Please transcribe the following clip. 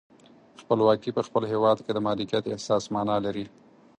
خپلواکي په خپل هیواد کې د مالکیت احساس معنا لري.